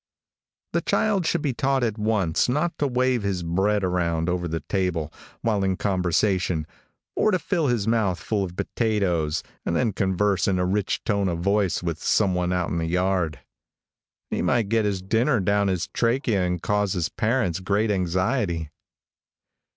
The child should be taught at once not to wave his bread around over the table, while in conversation, or to fill his mouth full of potatoes, and then converse in a rich tone of voice with some one out in the yard. He might get his dinner down his trochea and cause his parents great anxiety.